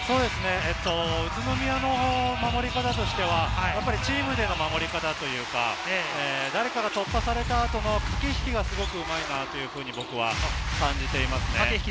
宇都宮の守り方はチームでの守り方というか、誰かが突破された後の駆け引きがすごく上手いなと僕は感じています。